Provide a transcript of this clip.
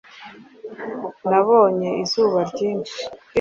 Nabonye izuba ryinshi